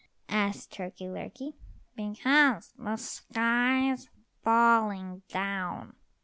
asked Turkey lurkey. "Because the sky's falling down."